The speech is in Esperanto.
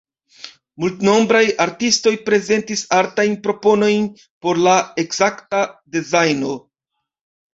Multnombraj artistoj prezentis artajn proponojn por la ekzakta dezajno.